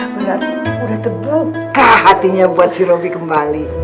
berarti udah terbuka hatinya buat si roby kembali